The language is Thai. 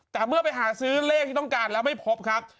แต่เมื่อไปหาซื้อเลขที่ต้องการแล้วไม่พบครับ